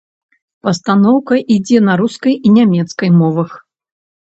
Пастаноўка ідзе на рускай і нямецкай мовах.